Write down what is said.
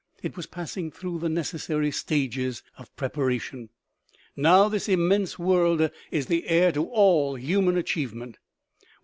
It was passing through the necessary stages of preparation. Now this immense world is the heir to all human achievement.